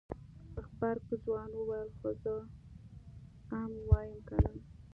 غبرګ ځوان وويل خو زه ام وايم کنه.